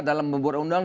dalam membuat undang